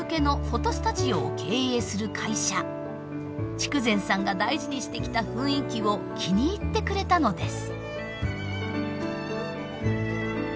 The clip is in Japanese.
筑前さんが大事にしてきた雰囲気を気に入ってくれたのです。